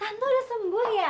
tanto udah sembul ya